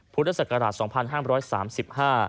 พุทธศักราช๒๕๓๕